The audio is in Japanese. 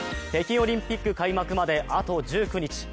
北京オリンピック開幕まであと１９日。